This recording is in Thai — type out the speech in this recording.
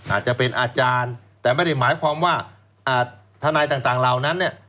อาจจะเป็นอาจารย์แต่ไม่ได้หมายความว่าทนายต่างเหล่านั้นเนี่ย